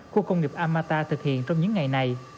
khu công nghiệp amata thực hiện trong những ngày này